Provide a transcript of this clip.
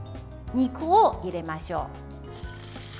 肉を入れましょう。